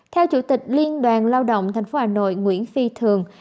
theo chủ tịch liên đoàn lao động thành phố hà nội nguyễn phi thường